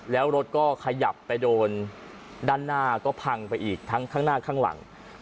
แล้วรถก็ขยับไปโดนด้านหน้าก็พังไปอีกทั้งข้างหน้าข้างหลัง